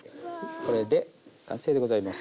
これで完成でございます。